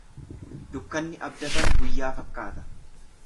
Dukkanni abdatan guyyaa fakkaata.